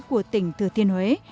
của tỉnh thừa thiên huế